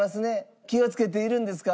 「気をつけているんですか」